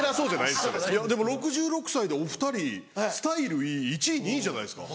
でも６６歳でお２人スタイルいい１位２位じゃないですか？